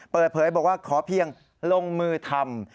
เปิดเผยบอกว่าขอเพียงลงมือทำ